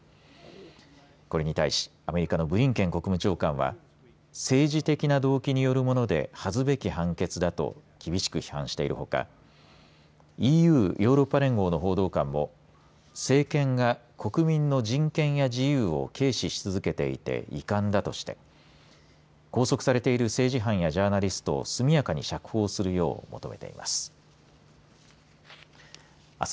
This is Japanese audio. これに対しアメリカのブリンケン国務長官は政治的な動機によるもので恥ずべき判決だと厳しく批判しているほかＥＵ、ヨーロッパ連合の報道官も政権が国民の人権や自由を軽視し続けていて遺憾だとして拘束されている政治犯やジャーナリストを速やかに釈放するよう求めています。